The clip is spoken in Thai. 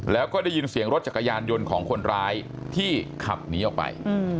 แล้วก็ได้ยินเสียงรถจักรยานยนต์ของคนร้ายที่ขับหนีออกไป